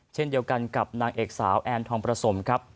เช่นเดียวกันกับนางเอกสาวแอนทองประสมครับ